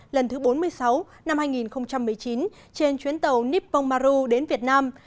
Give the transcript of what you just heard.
lần thứ bốn mươi sáu năm hai nghìn một mươi chín trên chuyến tàu nippon maru đến việt nam